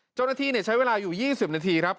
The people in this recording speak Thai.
เจ้าหน้าที่ใช้เวลาอยู่๒๐นาทีครับ